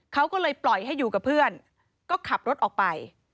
เขาก็เลยปล่อยให้อยู่กับเพื่อนก็ขับรถออกไป